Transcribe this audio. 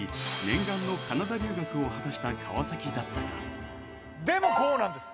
念願のカナダ留学を果たした川崎だったがでもこうなんです